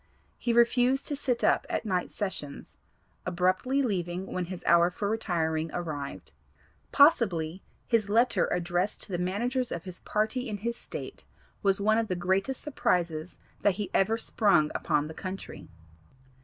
He refused to sit up at night sessions, abruptly leaving when his hour for retiring arrived. Possibly his letter addressed to the managers of his party in his State was one of the greatest surprises that he ever sprung upon the country.